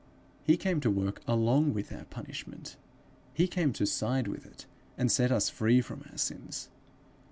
He came to work along with our punishment. He came to side with it, and set us free from our sins.